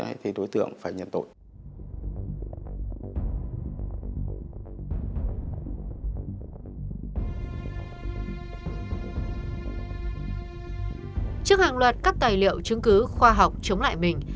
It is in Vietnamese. là đối tượng phải nhận tội trước hàng loạt cắt tài liệu chứng cứ khoa học chống lại mình